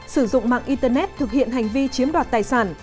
sử dụng mạng internet thực hiện hành vi chiếm đoạt tài sản